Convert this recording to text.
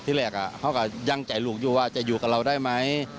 แรกเขาก็ยั่งใจลูกอยู่ว่าจะอยู่กับเราได้ไหม